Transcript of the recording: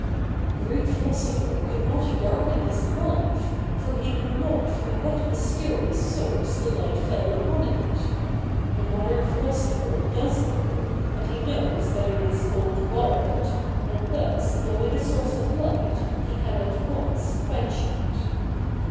The Greek philosopher could not darken his life, for he knew not from what mysterious source the light fell upon it. The modern philosopher does know, and he knows that it is called God, and thus knowing the source of light he can at once quench it.